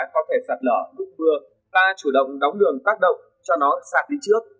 có thể sạt lở lúc mưa ta chủ động đóng đường tác động cho nó sạt đi trước